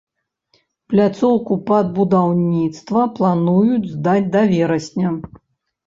Пляцоўку пад будаўніцтва плануюць здаць да верасня.